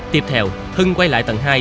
tiếp theo hưng quay lại tầng hai